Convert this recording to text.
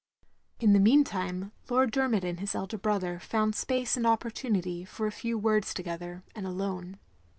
In the meantime Lord Dermot and his elder brother found space and opportunity for a few words together, and alone.